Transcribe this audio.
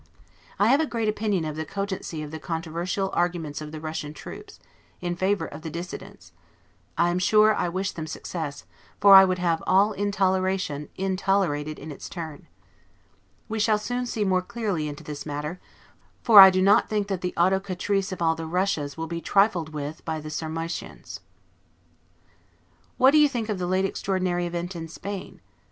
I have a great opinion of the cogency of the controversial arguments of the Russian troops, in favor of the Dissidents: I am sure I wish them success; for I would have all intoleration intolerated in its turn. We shall soon see more clearly into this matter; for I do not think that the Autocratrice of all the Russias will be trifled with by the Sarmatians. What do you think of the late extraordinary event in Spain?